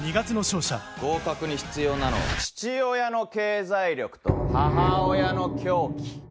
合格に必要なのは父親の経済力と母親の狂気。